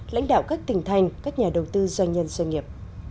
lãnh đạo các tỉnh thành các nhà đầu tư doanh nhân doanh nghiệp